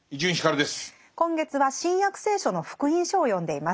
今月は「新約聖書」の「福音書」を読んでいます。